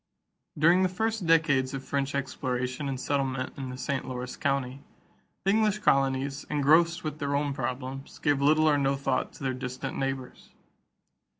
= During the first decades of French exploration and settlement in the St. Lawrence country, the English colonies, engrossed with their own problems, gave little or no thought to their distant neighbors.